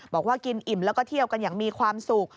บอกว่ากินอิ่มแล้วก็เที่ยวกันอย่างมีความสุข